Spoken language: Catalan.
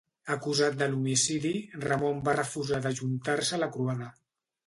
Acusat de l'homicidi, Ramon va refusar d'ajuntar-se a la croada.